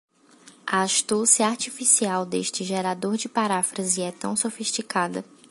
A astúcia artificial deste gerador de paráfrase é tão sofisticada